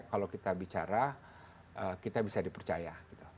kalau kita bicara kita bisa dipercaya